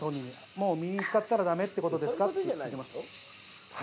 もうみりん使ったらダメってことですか？